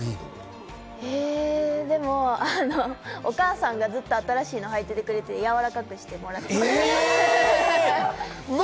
お母さんにずっと新しいの履いてやわらかくしてもらっています。